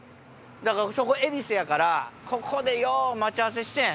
そこ恵比寿やからここでよう待ち合わせしてん。